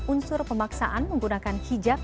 unsur pemaksaan menggunakan hijab